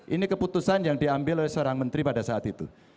ini keputusan yang diambil oleh seorang menteri pada saat itu